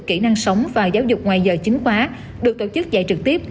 kỹ năng sống và giáo dục ngoài giờ chính khóa được tổ chức dạy trực tiếp